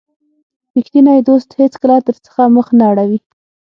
رښتینی دوست هیڅکله درڅخه مخ نه اړوي.